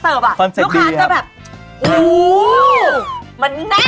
เข้าใส่ไหมว่ามาเสิร์ฟลูกค้าจะแบบอู๊มันนั่งมันถึงเคลื่อน